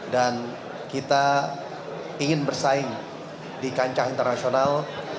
dan kita ingin bersaing di kancah internasional